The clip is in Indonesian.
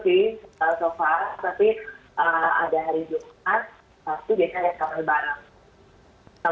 tapi biasanya ya sama berbareng